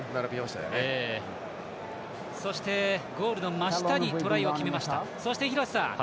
そして、ゴールの真下にトライを決めました。